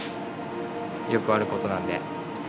よくある事なんで。